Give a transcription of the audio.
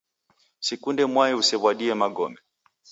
Sikunde mwai usew'uadie magome.